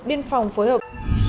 biên phòng phối hợp